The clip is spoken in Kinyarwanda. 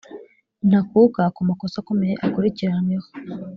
ntakuka ku makosa akomeye akurikiranweho